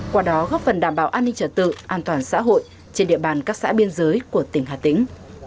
qua đó góp phần đảm bảo an ninh trở tự an toàn xã hội trên địa bàn các xã biên giới của tỉnh hà tĩnh